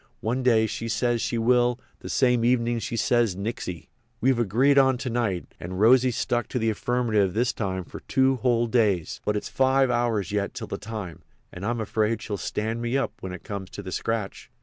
One day she says she will; the same evenin' she says nixy. We've agreed on to night, and Rosy's stuck to the affirmative this time for two whole days. But it's five hours yet till the time, and I'm afraid she'll stand me up when it comes to the scratch."